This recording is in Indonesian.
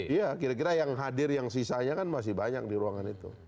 iya kira kira yang hadir yang sisanya kan masih banyak di ruangan itu